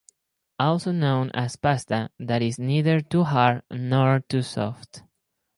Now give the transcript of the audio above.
Also known as pasta that is neither too hard nor too soft.